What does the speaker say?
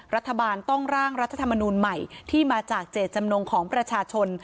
รัฐบาลต้องร่างรัฐธรรมนูลใหม่ที่มาจากเจตจำนงของประชาชน